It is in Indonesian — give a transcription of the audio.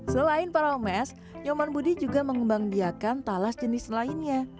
selain para omes nyoman budi juga mengembanggiakan talas jenis lainnya